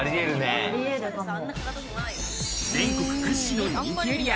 全国屈指の人気エリア